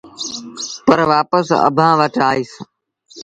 پر وآپس اڀآنٚ وٽ آئيٚس۔